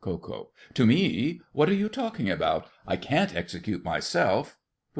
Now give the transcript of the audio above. KO. To me? What are you talking about? I can't execute myself. POOH. Why not?